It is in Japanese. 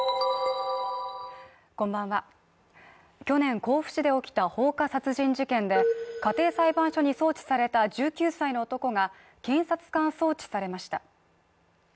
３２１去年、甲府市で起きた放火殺人事件で家庭裁判所に送致された１９歳の男が検察官送致されました。